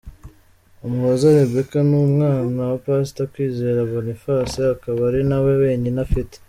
Umuhoza Rebecca ni umwana wa Pastor Kwizera Boniface akaba ari nawe wenyine afite.